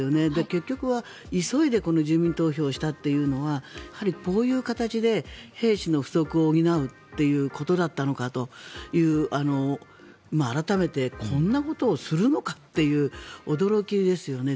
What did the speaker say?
結局は急いで住民投票をしたというのはやはりこういう形で兵士の不足を補うということだったのかという改めてこんなことをするのかという驚きですよね。